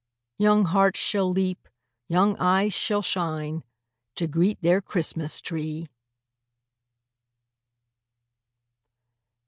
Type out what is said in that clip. Young hearts shall leap, young eyes shall shine To greet their Christmas tree!"